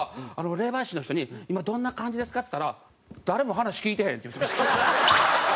霊媒師の人に「今どんな感じですか？」っつったら「誰も話聞いてへん」って言ってました。